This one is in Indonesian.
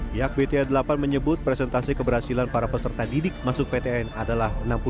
pihak bta delapan menyebut presentasi keberhasilan para peserta didik masuk ptn adalah